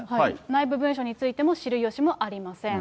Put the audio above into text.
内部文書についても、知る由もありません。